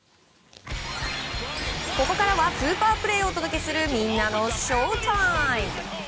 ここからはスーパープレーをお届けするみんなのＳＨＯＷＴＩＭＥ。